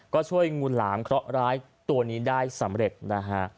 ก็ช่วยงูหลามเคราะหร้ายตัวนี้ได้สำเร็จนะฮะ